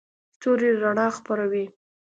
ستوري رڼا خپروي.